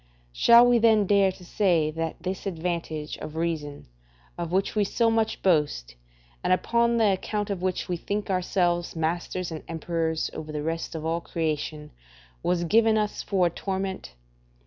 Shall we then dare to say that this advantage of reason, of which we so much boast, and upon the account of which we think ourselves masters and emperors over the rest of all creation, was given us for a torment?